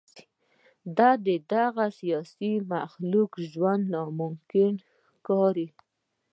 د دغه سیاسي مخلوق ژوند ناممکن ښکاري.